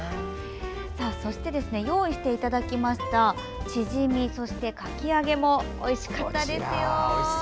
そして、用意していただきましたチヂミそしてかき揚げもおいしかったですよ。